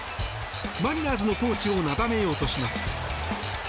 マリナーズのコーチをなだめようとします。